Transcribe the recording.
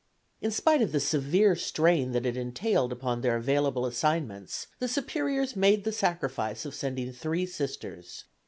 In spite of the severe strain that it entailed upon their available assignments, the Superiors made the sacrifice of sending three Sisters.